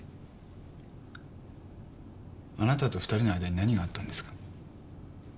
あなたと２人の間に何があったんですか？